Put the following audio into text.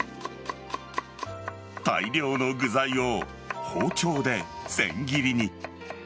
大量の具材を包丁で千切りに。